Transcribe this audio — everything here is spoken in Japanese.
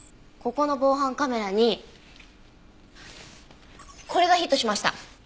ここの防犯カメラにこれがヒットしました。